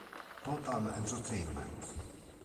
Total Entertainment!